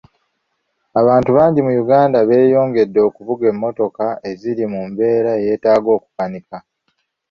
Abantu bangi mu Uganda beeyongedde okuvuga emmotoka eziri mu mbeera eyeetaaga okukanika.